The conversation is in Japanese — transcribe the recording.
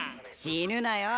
死ぬなよ。